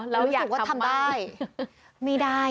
เห็นได้ไม่ได้